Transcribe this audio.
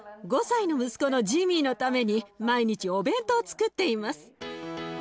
５歳の息子のジミーのために毎日お弁当をつくっています。